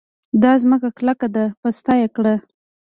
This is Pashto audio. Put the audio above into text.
دا ځمکه کلکه ده؛ پسته يې کړه.